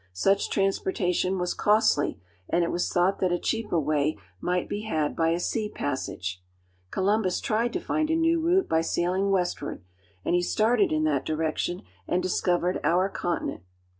Such transportation was costly, and it was thought that a cheaper way might be had by a sea passage. Columbus tried to find a new route by sailing 266 AFRICA westward, and he started in that direction and discovered our continent.